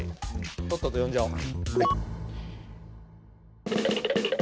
とっとと呼んじゃおう。